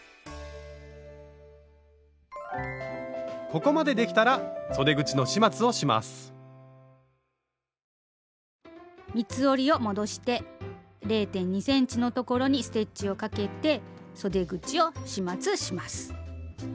ここまでできたら三つ折りを戻して０．２ｃｍのところにステッチをかけてそで口を始末します。